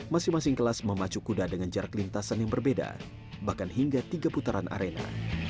masing masing kelas memacu kuda dengan jarak lintasan yang berbeda bahkan hingga tiga putaran arena